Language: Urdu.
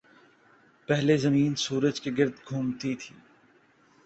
پہلے زمین سورج کے گرد گھومتی تھی۔